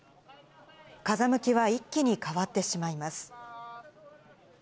風向きは一気に変わってしまいます。